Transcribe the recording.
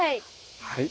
はい。